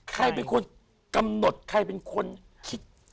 ใครเป็นคนกำหนดใครเป็นคนคิด